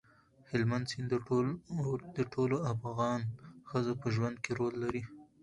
هلمند سیند د ټولو افغان ښځو په ژوند کې رول لري.